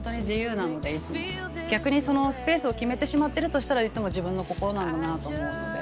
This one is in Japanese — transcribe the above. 逆にそのスペースを決めてしまってるとしたらいつも自分の心なんだなと思うので。